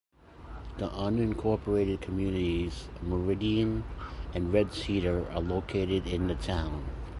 The unincorporated communities of Meridean and Red Cedar are located in the town.